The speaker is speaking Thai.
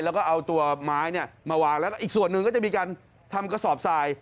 แล้วก็เอาตัวไม้มาวางแล้วก็อีกส่วนหนึ่งก็จะมีการทำกระสอบทราย